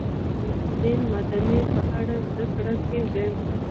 افغانستان کې د اوبزین معدنونه په اړه زده کړه کېږي.